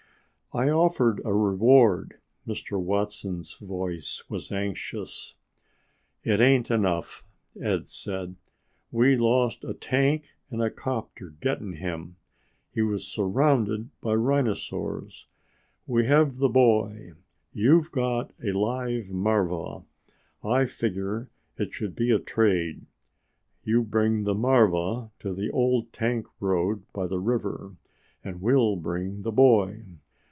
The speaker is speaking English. "I offered a reward." Mr. Watson's voice was anxious. "It ain't enough," Ed said. "We lost a tank and a 'copter getting him. He was surrounded by rhinosaurs. We have the boy. You've got a live marva. I figure it should be a trade. You bring the marva to the old tank road by the river, and we'll bring the boy.